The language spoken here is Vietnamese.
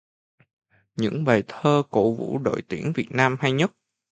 Những bài thơ cổ vũ đội tuyển Việt Nam hay nhất